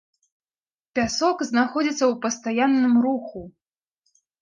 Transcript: Пясок знаходзіцца ў пастаянным руху.